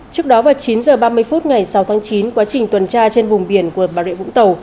trước đó vào chín h ba mươi phút ngày sáu tháng chín quá trình tuần tra trên vùng biển của bà rịa vũng tàu